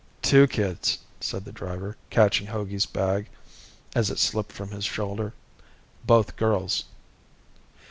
"Two kids," said the driver, catching Hogey's bag as it slipped from his shoulder. "Both girls."